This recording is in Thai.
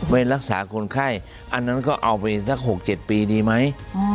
ไปรักษาคนไข้อันนั้นก็เอาไปสัก๖๗ปีดีไหม